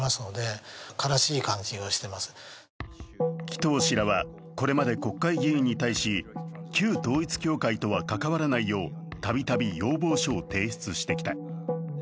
紀藤氏らはこれまで国会議員に対し旧統一教会とは関わらないようたびたび要望書を提出してきた。